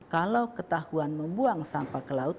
kalau ketahuan membuang sampah ke laut